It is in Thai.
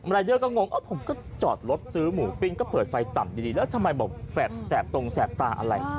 รายเดอร์ก็งงผมก็จอดรถซื้อหมูปิ้งก็เปิดไฟต่ำดีแล้วทำไมบอกแสบตรงแสบตาอะไร